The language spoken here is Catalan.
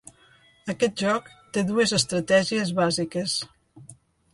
Aquest joc té dues estratègies bàsiques.